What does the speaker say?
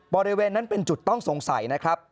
บริเวณนั้นเป็นจุดต้องสงสัยนะครับ